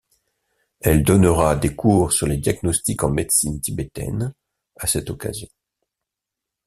Elle donnera des cours sur les diagnostics en médecine tibétaine à cette occasion.